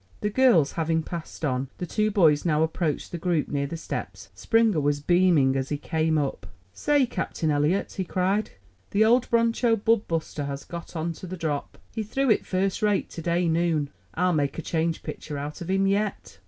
The girls having passed on, the two boys now approached the group near the steps. Springer was beaming as he came up. "Say, Captain Eliot," he cried, "the old broncho bub buster has got onto the drop. He threw it first rate to day noon. I'll make a change pitcher out of him yet."